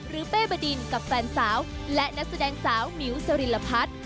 เป้บดินกับแฟนสาวและนักแสดงสาวมิวสริลพัฒน์